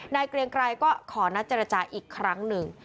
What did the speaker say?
เกรียงไกรก็ขอนัดเจรจาอีกครั้งหนึ่ง